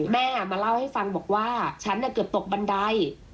แม่มาเล่าให้ฟังบอกว่าฉันเกือบตกบันได